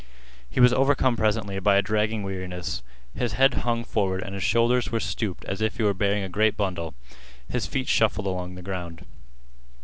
He was overcome presently by a dragging weariness. His head hung forward and his shoulders were stooped as if he were bearing a great bundle. His feet shuffled along the ground.